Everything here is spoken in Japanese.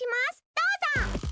どうぞ！